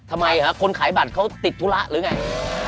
ทำไมฮะคนขายบัตรเขาติดธุระหรือไง